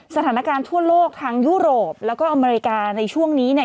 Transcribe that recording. สถานการณ์ทั่วโลกทางยุโรปแล้วก็อเมริกาในช่วงนี้เนี่ย